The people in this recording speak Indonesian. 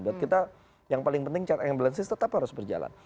dan kita yang paling penting cat ambulansis tetap harus berjalan